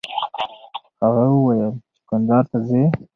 هغه وویل چې کندهار ته ځي.